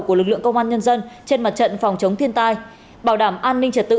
của lực lượng công an nhân dân trên mặt trận phòng chống thiên tai bảo đảm an ninh trật tự